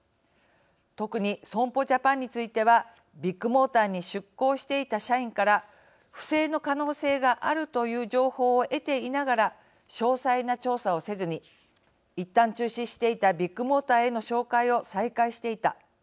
特に損保ジャパンについてはビッグモーターに出向していた社員から不正の可能性があるという情報を得ていながら詳細な調査をせずにいったん中止していたビッグモーターへの紹介を再開していた。